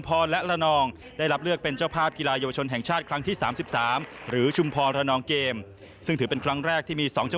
เพราะว่านักงานงงงง